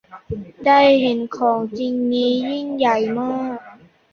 ได้เห็นของจริงนี่ยิ่งใหญ่มาก